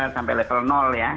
sampai level ya